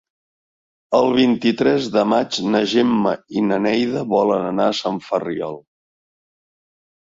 El vint-i-tres de maig na Gemma i na Neida volen anar a Sant Ferriol.